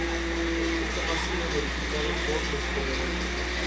La ambición de Bruce al trono podía verse frustrada en favor de John Comyn.